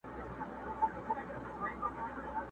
پاڼه یم د باد په تاو رژېږم ته به نه ژاړې،